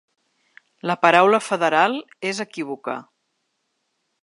La paraula ‘federal’ és equívoca.